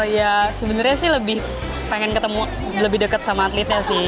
ya sebenarnya sih lebih pengen ketemu lebih dekat sama atletnya sih